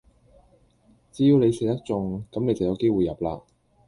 只要你射得中,咁你就有機會入啦